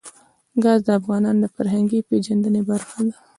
ګاز د افغانانو د فرهنګي پیژندنې برخه ده.